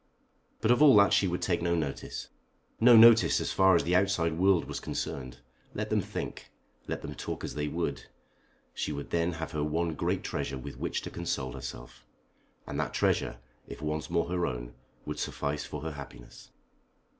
But of all that she would take no notice, no notice as far as the outside world was concerned. Let them think, let them talk as they would, she would then have her one great treasure with which to console herself, and that treasure, if once more her own, would suffice for her happiness.